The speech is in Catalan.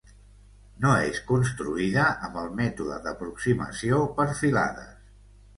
No és construïda amb el mètode d'aproximació per filades.